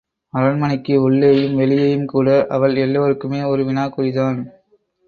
அரண்மனைக்கு உள்ளேயும் வெளியேயும் கூட, அவள் எல்லோருக்குமே ஒரு வினாக் குறிதான்!